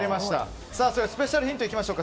スペシャルヒントいきましょう。